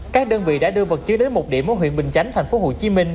các đơn vị đã đưa vật chứa đến một điểm ở huyện bình chánh tp hcm